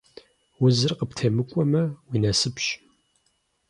Узыр къыптемыкӀуэмэ, уи насыпщ.